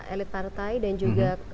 elit partai dan juga